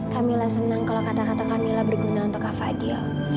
kamila senang kalau kata kata kamila berguna untuk kak fadil